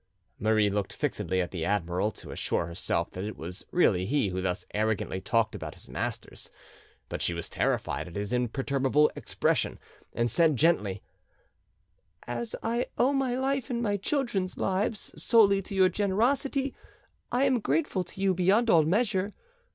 Marie looked fixedly at the admiral to assure herself that it was really he who thus arrogantly talked about his masters. But she was terrified at his imperturbable expression, and said gently— "As I owe my life and my children's lives solely to your generosity, I am grateful to you beyond all measure.